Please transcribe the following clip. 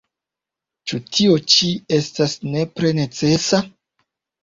Ĉu tio ĉi estas nepre necesa?